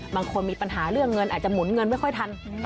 มีปัญหาเรื่องเงินอาจจะหมุนเงินไม่ค่อยทัน